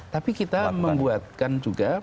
tapi kita membuatkan juga